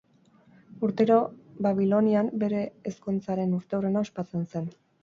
Urtero, Babilonian, bere ezkontzaren urteurrena ospatzen zen.